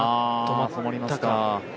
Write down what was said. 止まったか。